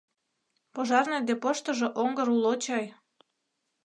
— Пожарный депоштыжо оҥгыр уло чай...